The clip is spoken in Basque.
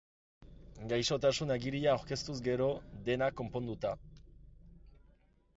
Gaixotasun-agiria aurkeztuz gero, dena konponduta.